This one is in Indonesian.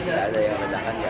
waktu itu sedang aktivitas